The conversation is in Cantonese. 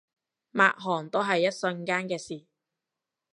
抹汗都係一瞬間嘅事